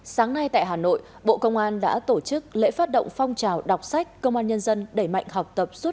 sáng nay tại hà nội bộ công an đã tổ chức lễ phát động phong trào đọc sách công an nhân dân đẩy mạnh học tập suốt đời